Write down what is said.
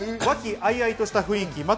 わきあいあいとした雰囲気。